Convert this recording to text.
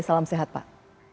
salam sehat pak